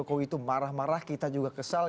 dan jokowi itu marah marah kita juga kesal